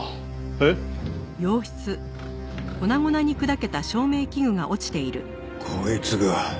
えっ？こいつが。